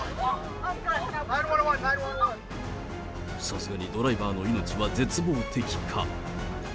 さすがにドライバーの命は絶望的か。